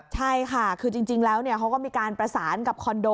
ใช่ค่ะคือจริงแล้วเขาก็มีการประสานกับคอนโด